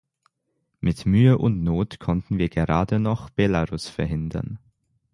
Mit Mühe und Not konnten wir gerade noch Belarus verhindern.